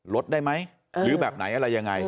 ลดได้ไหมหรือแบบไหนอะไรยังไง